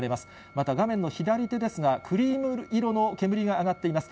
また画面の左手ですが、クリーム色の煙が上がっています。